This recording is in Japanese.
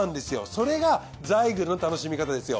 それがザイグルの楽しみ方ですよ。